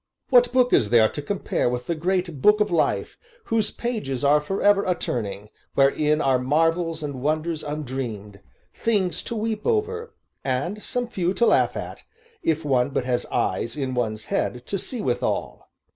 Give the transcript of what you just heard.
What book is there to compare with the great Book of Life whose pages are forever a turning, wherein are marvels and wonders undreamed; things to weep over, and some few to laugh at, if one but has eyes in one's head to see withal?